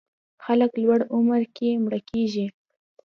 خلک لوړ عمر کې مړه کېږي.